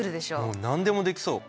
もう何でもできそう。